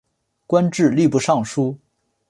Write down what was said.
官至吏部尚书。